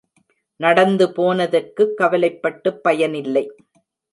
நடந்து போனதற்குக் கவலைப் பட்டுப் பயனில்லை.